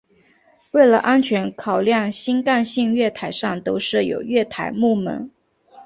为了安全考量新干线月台上都设有月台幕门。